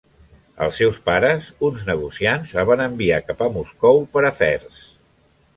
Els seus pares, uns negociants, el van enviar cap a Moscou per afers.